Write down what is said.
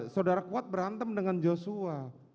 saudara kuat berantem dengan joshua